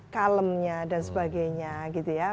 kalemnya dan sebagainya gitu ya